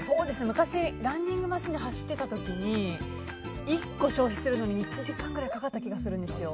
昔ランニングマシンで走っていた時に１個消費するのに１時間くらいかかった気がするんですよ。